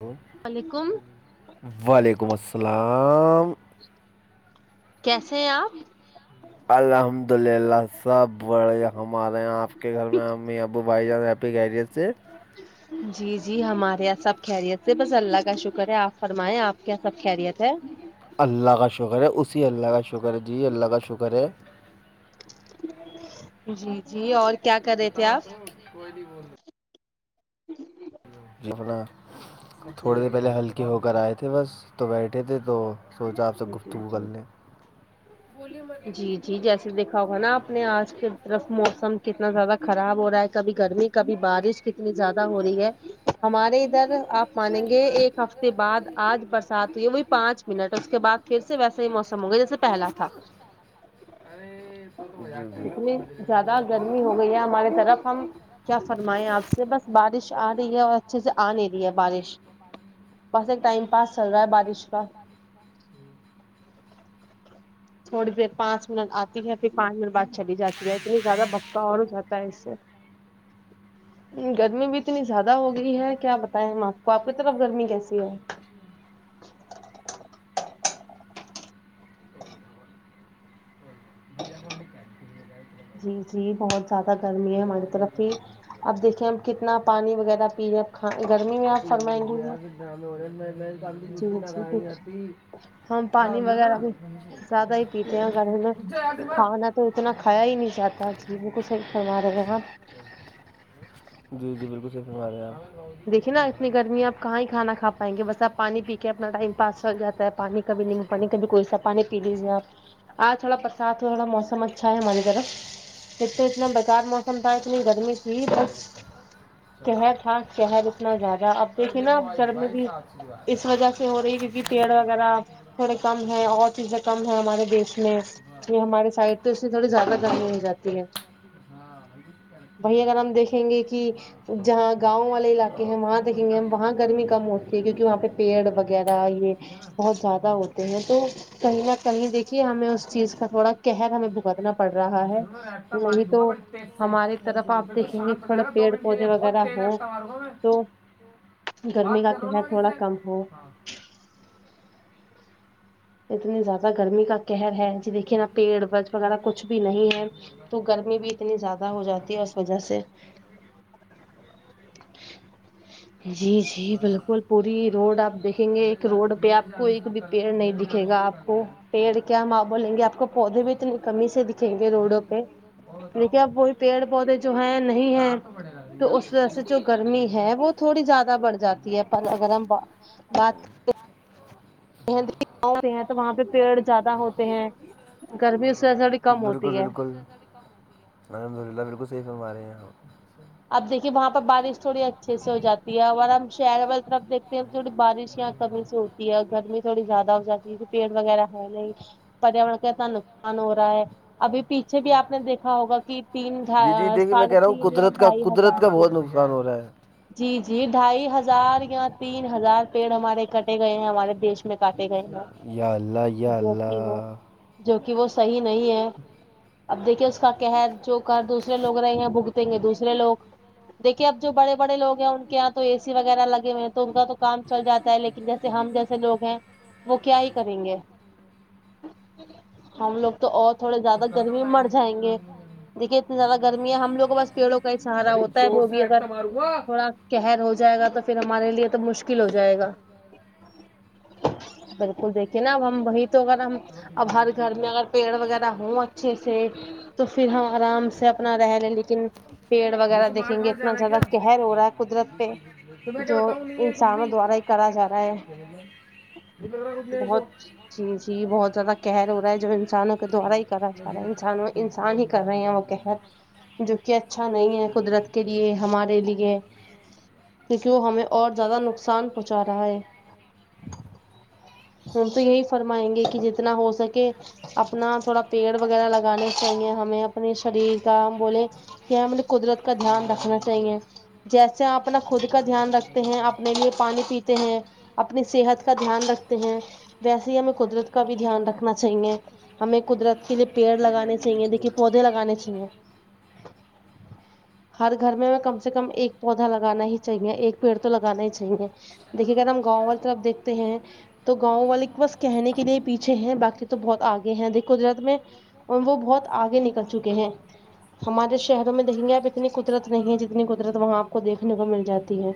hello وعلیکم السلام کیسے ہیں آپ الحمد للہ سب بڑے ہمارے یہاں آپ کے گھر میں امی ابو بھائی جان خیریت سے ہے جی جی ہمارے یہاں سب خیریت سے بس اللہ کا شکر ہے آپ فرمائیں آپ کیا یہاں سب خیریت ہے اللہ کا شکر ہے اسی اللہ کا شکر ہے جی اللہ کا شکر ہے جی جی اور بتاؤ تم کوئی نہیں بول رہ ج اپنا تھوڑے دیر پہلے ہلکے ہو کر آئے تھے بس تو بیٹھے تھے تو جی جی جی جی جیسے دیکھا ہوگا نا آپ نے آج کی طرف موسم کتنا زیادہ خراب ہو رہا ہے کبھی گرمی کبھی بارش کتنی زیادہ ہو رہی ہے ہمارے ادھر آپ مانیں گے ایک ہفتے بعد آج برسات ہوئی ہے وہی پانچ منٹ اس کے بعد پھر سے ویسے ہی موسم ہو گا جیسے پہلا تھا نہیں تم تو مذاق کر رہے ہو میں مزے لے لونگا یار گرمی ہو گئی ہے ہمارے طرف ہم کیا فرمائے آپ سے بس بارش آ رہی ہے اور اچھے سے آ نہیں رہی ہے بارش بس ایک ٹائم پاس چل رہا ہے بارش کا تھوڑی دیر پانچ منٹ آتی ہے پھر پانچ منٹ بعد چلی جاتی ہے اتنی زیادہ بھکا اور ہو جاتا ہے اس سے گرمی بھی اتنی زیادہ ہو گئی ہے کیا بتائیں ہم آپ کو آپ کی طرف گرمی کیسی ہے مجھے کون [unintelligible] جی جی بہت زیادہ گرمی ہے ہماری طرف ہی اب دیکھیں ہم کتنا پانی وغیرہ پی رہے اب گرمی میں اکثر مہنگے ہی [unintelligible] [unintelligible] تو اتنا کھایا ہی نہیں جاتا جی بالکل صحیح فرما رہے ہیں آپ جی جی بالکل صحیح فرما رہے ہیں آپ دیکھی نا اتنی گرمی اب کہاں ہی کھانا کھا پائیں گے بس اب پانی پی کے اپنا ٹائم پاس ہو جا تا ہے پانی کبھی نمبو پانی کبھی کوئی سا پانی پی لیجے آپ آج تھوڑا برسات ہو تھو ڑا موسم اچھا ہے ہماری طرف کل تو اتنا بیکار موسم تھا اتنی گرمی تھی بس کل تھا شہر اتنا زیادہ اب دیکھیے نا گرمی بھی اس وجہ سے ہو رہی ہے کیونکہ پیڑ وغیرہ تھوڑے کم ہے اور چیزیں کم ہے ہمارے دیش میں یہ ہمارے سائڈ تو اس لئے تھوڑی زیادہ گر می ہو جاتی ہے [unintelligible] بھئی اگر ہم دیکھیں گے کی جہاں گاؤں والے علا قے وہاں دیکھیں گے ہم وہاں گرمی کم ہوتی ہے کیونکہ وہاں پہ پیڑ وغیرہ یہ بہت زیادہ ہوتے ہیں تو کہیں نہ کہیں دیکھئے ہمیں اس چیز کا تھوڑا قہر ہمیں بھگتنا پڑ رہا ہے نہیں تو ہماری طرف آپ دیکھیں گے تھوڑے پیڑ پودے وغیرہ ہوں تو گرمی کا کہر تھوڑا کم ہو اتنی زیادہ گرمی کا قہر ہے جی دیکھیے نا پیڑ بج وغیرہ کچھ بھی نہیں ہے تو گرمی بھی اتنی زیادہ ہو جاتی ہے اس وجہ سے جی جی بالکل پوری روڈ آپ دیک دیکھیں گے ایک روڈ پہ آپ کو ایک بھی پیڑ نہیں دکھے گا آپ کو پیڑ کیا ہم آ بولیں گے آپ کو پودے بھی اتنی کمی سے دکھیں گے روڈوں پہ دیکھیں اب وہی پیڑ پودے جو ہیں نہیں ہے تو اس وجہ سے جو گرمی ہے وہ تھوڑی زیادہ بڑھ جاتی ہے پر اگر ہم با بات [unintelligible] ہیں تو وہاں پہ پیڑ زیادہ ہوتے ہیں گرمی اس وجہ سےتھوڑی بالکل بالکل الحمد للہ بالکل صحیح فرما رہی ہیں آپ اب دیکھئے وہاں پر بارش تھوڑی اچھے سے ہو جاتی ہے اور ہم شہر وہر طرف دیکھتے ہیں تھوڑی بارش یہاں کمی سے ہوتی ہے گرمی تھوڑی زیادہ ہو جاتی ہے کیو نکہ پیڑ وغیرہ ہے نہیں پریاورن کا اتنا نقصان ہو رہا ہے ابھی پیچھے بھی آپ نے دیکھا ہوگا کہ تین ڈھا ساڑھے تین یا ڈھائی ہزار پیڑ جی جی ڈھائی ہزار یا تین ہزار پیڑ ہمارے کٹے گئے ہیں ہمارے دیش میں کاٹے گئے یا اللہ یا اللہ جو کہ وہ صحیح نہیں ہے اب دیکھئے اس کا کہر جو کر دوسرے لوگ رہے ہیں بھگتیں گے دوسرے لوگ دیکھۓ اب جو بڑے بڑے لوگ ہیں ان کے یہاں تو اے سی وغیرہ لگے ہوئے ہیں تو ان کا تو کام چل جاتا ہے لیکن جیسے ہم جیسے لوگ ہیں وہ کیا ہی کریں گے ہم لوگ تو اور تھوڑے زیادہ گرمی میں مر جائیں گے دیکھیے اتنی زیادہ گرمی ہے ہم لوگ کو بس پیڑوں کا ہی سہارا ہوتا ہے وہ بھی اگر تھوڑا قہر ہو جائے گا تو پھر ہمارے لیے تو مشکل ہو جائے گا بالکل دیکھیے نا اب ہم وہی تو اگر ہم اب ہر گھر میں اگر پیڑ وغیرہ ہوں اچھے سے تو پھر ہم آرام سے اپنا رہ لیں لیکن پیڑ وغیرہ دیکھیں گے اتنا زیادہ قہر ہو رہا ہے قدرت پہ جو انسانوں دوارا کرا جا رہا ہے [unintelligible] جی جی یہ بہت زیادہ کہر ہو رہا ہے جو انسانوں کے دوارا ہی کرا س رہا انسان وہ انسان ہی کر رہے ہیں وہ کہر جو کہ اچھا نہیں ہے قدرت کے لیے ہمارے لیے جو ہمیں اور زیادہ نقصان پہنچا رہا ہے ہم تو یہی فرمائیں گے کہ جتنا ہو سکے اپنا تھوڑا پیڑ وغیرہ لگانے چاہیے ہمیں اپنے شریر کا ہم بولے کیا ہم نے قدرت کا دھیان رکھنا چاہیے جیسے ہم اپنا خود کا دھیان رکھتے ہیں اپنے لیے پانی پیتے ہیں اپنی صحت کا دھیان رکھتے ہیں ویسے ہی ہمیں قدرت کا بھی دھیان رکھنا چاہیے ہمیں قدرت کے لیے پیڑ لگانے چاہیے دیکھیے پودے لگانے چاہیے ہر گھر میں میں کم سے کم ایک پودا لگانا ہی چاہیے ایک پیڑ تو لگانا ہی چاہیے دیکھیے گا ہم گاوں والی طرف دیکھتے ہیں تو گاوں والے بس کہنے کے لیے پیچھے ہیں باقی تو بہت آگے ہیں دیکھو قدرت میں اور وہ بہت آگے نکل چکے ہیں ہمارے شہروں میں دیکھیں گے آپ اتنی قدرت نہیں ہے جتنی قدرت وہاں آپ کو دیکنے کو مل جاتی ہے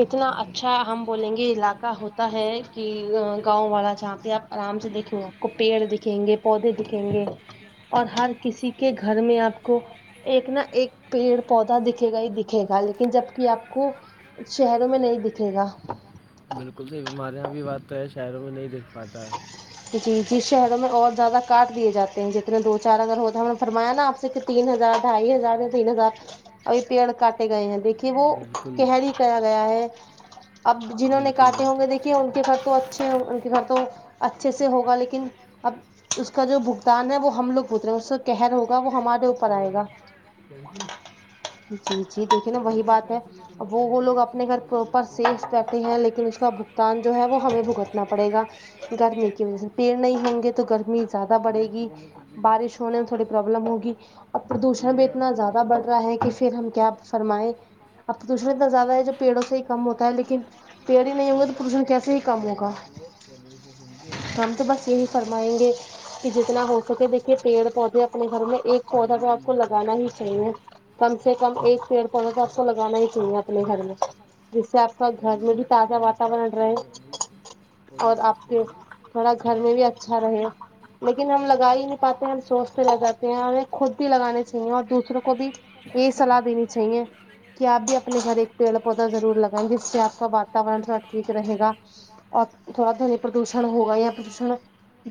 اتنا اچھا ہم بولیں گے علاقہ ہوتا ہے کہ گاوں والا جہاں پہ آپ آرام سے دیکھیں گے آپ کو پیڑ دکھیں گے پودے دکھیں گے اور ہر کسی کے گھر میں آپ کو ایک نہ ایک پیڑ پودا دکھے گا ہی دکھے گا لیکن جب کہ آپ کو شہروں میں نہیں دکھے گا بالکل صحیح فرمارہے ہیں آپ یہ بات تو ہے شا عرو میں نہیں دیکھ پاتا ہے جی جی شہروں میں اور زیادہ کاٹ دیے جاتے ہیں جتنے دو چار اگر ہوتے ہیں ہم نے فرمایا نا آپ ایک تین ہزار ڈھائی ہزار یا تین ہزار اورھی پیڑ کاٹے گا یہ دیکھیے وہ قہری کہا گیا ہے اب جنہوں نے کاٹے ہوں گے دیکھیے ان کے گھر تو اچھے ان کے گھر تو اچھے سے ہوگا لیکن اب اس کا جو بھگتان ہے وہ ہم لوگ اترے اس کا قہر ہوگا وہ ہمارے اوپر آئے گا ت جی جی جی دیکھیے نا وہی بات ہے وہ وہ لوگ اپنے گھر پراپر سیس کرتے ہیں لیکن اس کا بگتان جو ہے وہ ہمیں بھگتنا پڑے گا گرمی کی وجہ سے پیڑ نہیں ہوں گے تو گرمی زیادہ بڑھے گی بارش ہونے میں تھوڑی پرابلم ہوگی اب پردوشن بھی اتنا زیادہ بڑھ رہا ہے کہ پھر ہم کیا فرمائے اب پردوشن اتنا زیادہ ہے جو پیڑوں سے ہی کم ہوتا ہے لیکن پیڑ ہی نہیں ہوگا تو پردوشن کیسے ہی کم ہوگا ہم تو بس یہی فرمائیں گے کہ جتنا ہو سکے دیکھیے پیڑ پودے اپنے گھر میں ایک پودا تو آپ کو لگانا ہی چاہیے کم سے کم ایک پیڑ پودا تو لگانا ہی چاہیے اپنے گھر میں جیسے آپ کا گھر میں بھی [unintelligible] اور آپ کے تھوڑا گھر میں بھی اچھا رہے لیکن ہم لگا ہی نہیں پاتے ہم سوچتے لگاتے ہیں اوریں خود بھی لگانے چاہیے اور دوسروں کو بھی یہ صلاح دینی چاہیے کہ آپ بھی اپنے گھر ایک پیڑ پودا ضرور لگائیں گے جس سے آپ کا واتاورن تھوڑا ٹھیک رہے گا اور تھوڑا [unintelligible] پردوشن ہوگا یا پردوشن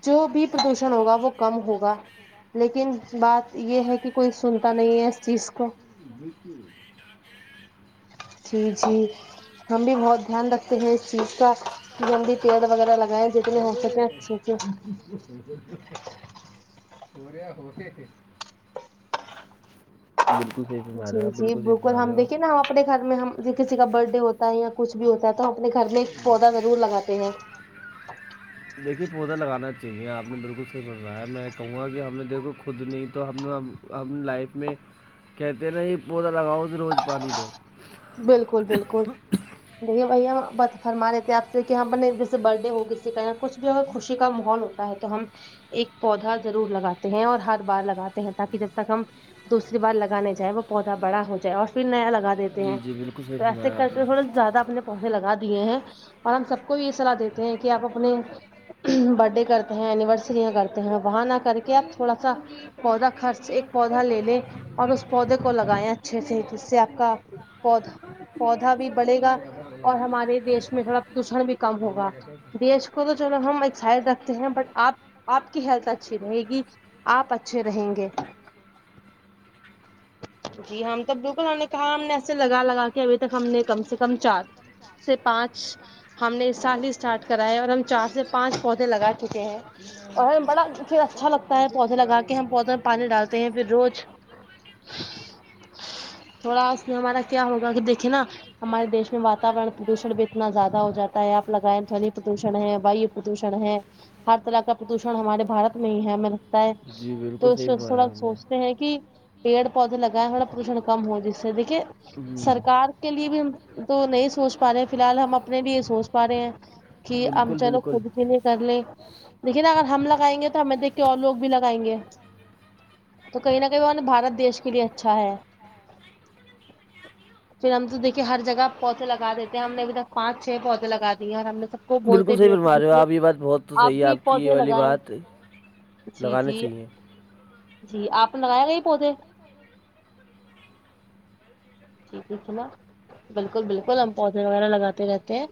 جو بھی پردوشن ہوگا وہ کم ہوگا لیکن بات یہ ہے کہ کوئی سنتا نہیں ہے اس چیز کو بالکل جی جی ہم بھی بہت دھیان رکھتے ہیں اس چیز کا گندی پیل وغیرہ لگائیں جتنے ہو سکے اچھے سے [unintelligible] بڑھیا ہوتے تھے بالکل صحیح ہے جی جی بالکل ہم دیکھیے نا ہم اپنے گھر میں ہم جی کسی کا برتھ ڈے ہوتا ہے یا کچھ بھی ہوتا ہے تو ہم اپنے گھر میں ایک پودا ضرور لگاتے ہیں دیکھیے پودا لگانا چاہیے آپ نے بالکل صحیح فرمایا ہے میں کہوں گا کہ ہم نے دیکھو خود نہیں تو ہم نے ہم لائف میں کہتے نا یہ پودا لگاؤ روز پانی دو بالکل بالکل بھیا بھیا ہم بت فرما لیتے ہیں آپ سے کہ ہم اپنے جسے برتڈے ہوگی کا یہاں کچھ بھی ہو خوشی کا ماحول ہو تو ہم ایک پودا ضرور لگاتے ہیں اور ہر بار لگاتے ہیں تاکہ جب تک ہم دوسری بار لگانے جائے وہ پودا بڑا ہو جائے اور پھر نیا لگا دیتے جی جی بلکل تو ایسے کرتے تھوڑا زیادہ اپنے پودے لگا دیے ہیں اور ہم سب کو بھی یہ سلاح دیتے ہیں کہ آپ اپنے برھ ڈے کرتے ہیں اینیورسریاں کرتے ہیں وہاں نہ کر کے آپ تھوڑا سا پودا خرچ ایک پودا لے لے اور اس پودے کو لگائےیں اچھے سے جس سے آپ کا پودا پودا بھی بڑھے گا اور ہمارے دیش میں تھوڑا پردوشن بھی کم ہوگا بی ایچ کو تو چلو ہم ایک سائڈ رکھتے ہیں بٹ آپ آپ کی ہیلتھ اچھی رہے گی آپ اچھے رہیں گے جی ہم تو بالکل ہم نے کہا ہم نے ایسے لگا لگا کہ ابھی تک ہم نے کم سے کم چار سے پانچ ہم نے اس سال ہی اسٹارٹ کرا ہے اور ہم چار سے پانچ پودے لگا چکے ہیں اور ہم بڑا پھر اچھا لگتا ہے پودے لگا کے ہم پودے میں پانی ڈالتے ہیں پھر روج تھوڑا اس میں ہمارا کیا ہوگا کہ دیکھے نا ہمارے دیش میں واتاورن پردوشن بھی اتنا زیادہ ہو جاتا ہے آپ لگائیں دونی پردوشن ہے وا پردوشن ہے ہر طرح کا پردوشن ہمارے بارت میں ہی ہے ہمیں لگتا ہے تو تھوڑا سوچتے ہیں کہ پیڑ پودے لگائے تھا پردوشن کم ہو جس سے دیکھیے سرکار کے لیے بھی ہم تو نہیں سوچ پا رہے ہیں فی الحال ہم اپنے لیے سوچ پا رہے ہیں کہ ہم چلو خود کے لیے کر لیں دیکھیں نا اگر ہم لگائیں گے تو ہمیں دیکھ کے اور لوگ بھی لگائیں گے تو کہیں نہ کہیں ہمارے بھارت دیش کے لیے اچھا ہے پھر ہم تو دیکھے ہر جگہ پودے لگا دیتے ہیں ہم نے ابھی تک پانچ چھ پودے لگا دیے ہیں اور ہم نے سب بالکل صحیح فرما رہے ہو آپ یہ بات بہت صحیح ہے آپ کی یہ والی بات لگانے چاہیے جی آپ نے لگایا یہ پودے جی جی سنا بالکل بالکل ہم پودے وغیرہ لگاتے رہتے ہیں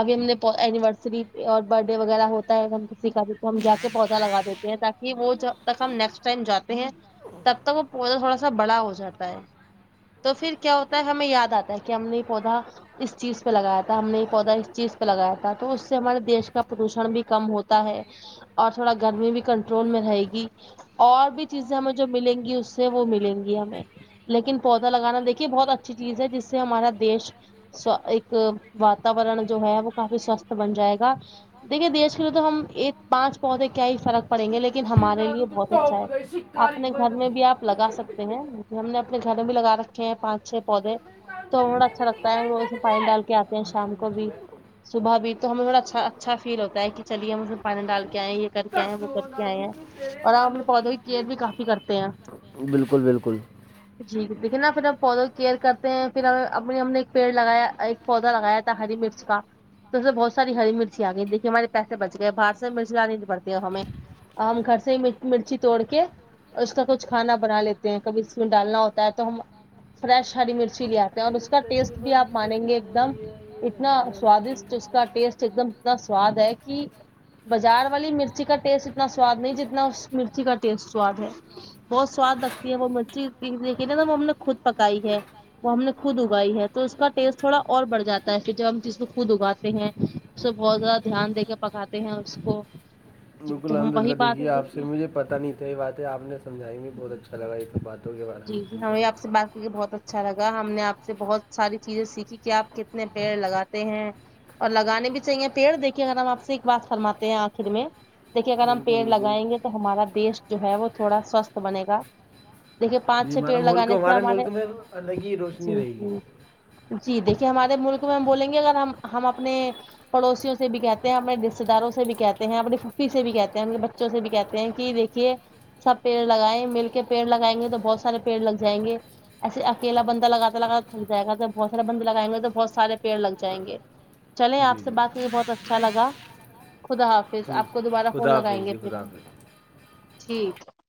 ابھی ہم نے اینیورسری اور برتھ ڈے وغیرہ ہوتا ہے ہم کسی کا بھی تو ہم جا کے پودا لگا دیتے ہیں تاکہ کہ وہ جب تک ہم نیکسٹ ٹائم جاتے ہیں تب تک وہ پودا تھوڑا سا بڑا ہو جاتا ہے تو پھر کیا ہوتا ہے ہمیں یاد آتا ہے کہ ہم نے یہ پودا اس چیز پہ لگایا تھا ہم نے یہ پودا اس چیز پہ لگایا تھا تو اس سے ہمارے دیش کا پردوشن بھی کم ہوتا ہے اور تھوڑا گرمی بھی کنٹرول میں رہے گی اور بھی چیزیں ہمیں جو ملیں گی اس سے وہ ملیں گی ہمیں لیکن پودا لگانا دیکھیے بہت اچھی چیز ہے جس سے ہمارا دیش سا ایک واتورن جو ہے وہ کافی سوستھ بن جائے گا دیکھے دیش کے لیے تو ہم ایک پانچ پودے کیا ہی فرق پڑیں گے لیکن ہمارے لیے بہت اچھا ہے اپنے گھر میں بھی آپ لگا سکتے ہیں ہم نے اپنے گھر میں بھی لگا رکھے ہیں پانچ چھ پودے توڑا اچھا لگتا ہے لو میں پانی ڈال کے آتے ہیں شام کو بھی صبح بھی تو ہمیں تھڑا اچھا اچھا فیل ہوتا ہے کہ چلیے ہم اس پانی ڈال کے آئے ہیں یہ کر کے آئے وہ کر کے آئے ہیں اور آپ اپنے پودوں کی کیئر بھی کافی کرتے ہیں بالکل بالکل جی دیکھیے نا پھر ہم پودوں کیئر کرتے ہیں فیر ہم اپنی ہم نے ایک پیڑ لگایا ایک پودا لگایا تھا ہری مرچ کا تو اسے بہت ساری ہری مرچی آ گئی دیکھیے ہمارے پیسے بچ گئے بر سے میں مرچ لانی نہیں پڑتی ہے اب ہمیں ہم گھر سے ہی مر مر چی توڑ کے اس کا کچھ کھانا بنا لیتے ہیں کبھی اس میں ڈالنا ہوتا ہے تو ہم فریش ہری مرچی لے آتے ہیں اور اس کا ٹیسٹ بھی آپ مانیں گے ایک دم اتنا سوادشٹ اس کا ٹیسٹ ایک دم اتنا سواد ہے کی بازار والی مرچی کا ٹیسٹ اتنا سواد نہیں جتنا اس مرچی کا ٹیسٹ سواد ہے بہت سواد لگتی ہے وہ مڑچی دیکھی نا وہ ہم نے خود پکائی ہے وہ ہم نے خود اگائی ہے تو اس کا ٹیسٹ تھوڑا اور بڑھ جاتا ہے پھر جب ہم جس میں خود اگاتے ہیں سے بہت زیادہ دھیان دے کے پکاتے ہیں اس کو بالکل الحمد للہ دیکھیے آپ سے مجھے پتا نہیں تھا یہ باتیں آپ نے سمجھائیں گے بہت اچھا لگا یہ سب باتوں کے بارے میں سمجھ باقی کے بہت اچھ اچھا لگا ہم نے آپ سے بہت ساری چیزیں سیکھی کہ آپ کتنے پیڑ لگاتے ہیں اور لگانے بھی چاہیے پیڑ دیکھیے اگر ہم آپ سے ایک بات فرماتے ہیں آخر میں دیکھیے اگر ہم پیڑ لگائیں گے تو ہمارا دیش جو ہے وہ تھوڑا سوستھ بنے گا دیکھیے پانچ چھ پیڑ لگانے سے ہمارے جی جی جی دیکھیے ہمارے ملک میں ہم بولیں گے اگر ہم ہم اپنے پڑوسیوں سے بھی کہتے ہیں اپنے رشتے داروں سے بھی کہتے ہیں اپنی فیففی سے بھی کہتے ہیں انکے بچ بچوں سے بھی کہتے ہیں کہ دیکھیے سب پیڑ لگائیں مل کے پڑ لگا ئے گے تو بہت سارے پیڑ لگ جائیں گے ایسے اکیلا بندہ لگاتا لگاتا تھک جائے گا تو بہت سارے بندے لگائیں گے تو بہت سارے پیڑ لگ جائیں گے چلیں آپ سے بات کر کے بہت اچھا لگا خدا حافظ آپ کو دوبارہ فون لگائیں گے پھر ہم ٹھیک